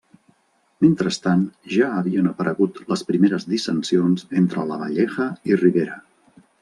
Mentrestant, ja havien aparegut les primeres dissensions entre Lavalleja i Rivera.